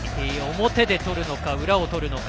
表でとるのか、裏をとるのか。